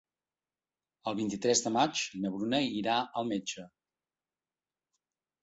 El vint-i-tres de maig na Bruna irà al metge.